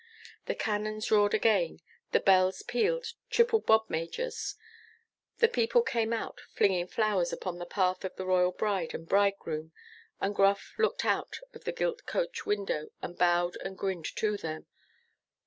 The cannons roared again, the bells pealed triple bobmajors, the people came out flinging flowers upon the path of the royal bride and bridegroom, and Gruff looked out of the gilt coach window and bowed and grinned to them.